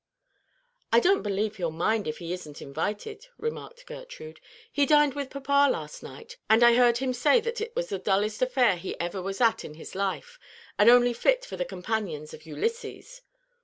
"I don't believe he'll mind it if he isn't invited," remarked Gertrude. "He dined with papa last night; and I heard him say that it was the dullest affair he ever was at in his life, and only fit for the 'companions of Ulysses.'"